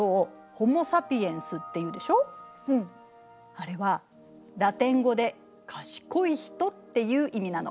あれはラテン語で「賢いヒト」っていう意味なの。